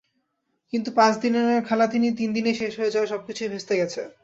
কিন্তু পাঁচ দিনের খেলা তিন দিনেই শেষ হয়ে যাওয়ায় সবকিছুই ভেস্তে গেছে।